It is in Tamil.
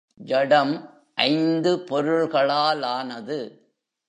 ஜடம் ஐந்து பொருள்களாலானது.